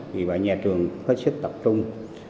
vì vậy nhà trường hết sức tập trung